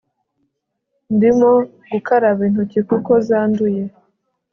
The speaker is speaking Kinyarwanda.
ndimo gukaraba intoki kuko zanduye